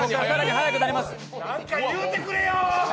何か言うてくれよー。